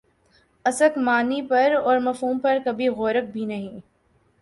اسک معانی پر اور مفہوم پر کبھی غورک بھی نہیں